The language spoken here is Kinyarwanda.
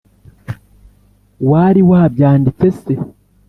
Wari wabyanditse se